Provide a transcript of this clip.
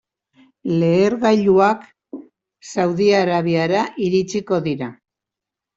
Lehergailuak Saudi Arabiara iritsiko dira.